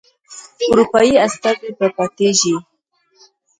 اروپایي استازی به پاتیږي.